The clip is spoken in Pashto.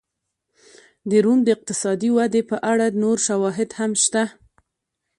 د روم د اقتصادي ودې په اړه نور شواهد هم شته